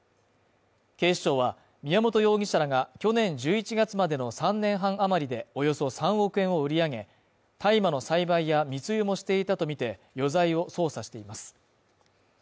警視庁は宮本容疑者が去年１１月までの３年半余りで、およそ３億円を売り上げ大麻の栽培や密輸もしていたとみて余罪を捜査しています。